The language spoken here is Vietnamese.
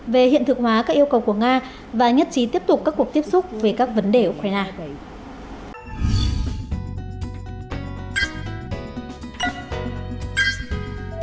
về hiện thực hóa các yêu cầu của nga và nhất trí tiếp tục các cuộc tiếp xúc về các vấn đề ukraine